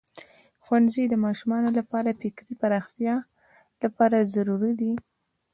ښوونځی د ماشومانو لپاره د فکري پراختیا لپاره ضروری دی.